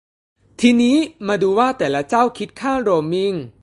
ทีนี้มาดูว่าแต่ละเจ้าคิดค่าโรมมิ่ง